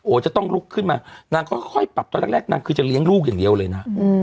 จะต้องลุกขึ้นมานางก็ค่อยปรับตอนแรกนางคือจะเลี้ยงลูกอย่างเดียวเลยนะ